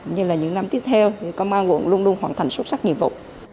như là những năm tiếp theo thì công an quận luôn luôn hoàn thành xuất sắc nhiệm vụ